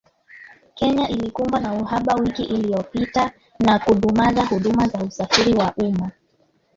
Kenya ilikumbwa na uhaba wiki iliyopita na kudumaza huduma za usafiri wa umma